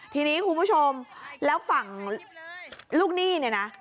ทีนี้คุณผู้ชมแล้วฝั่งลูกหนี้เนี่ยนะ